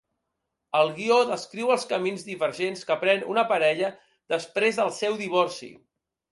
El guió descriu els camins divergents que pren una parella després del seu divorci.